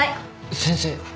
先生。